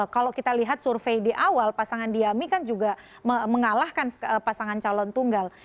kalau kita lihat survei di awal pasangan diami kan juga mengalahkan pasangan calon tunggal